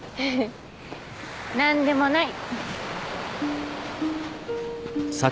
何でもない。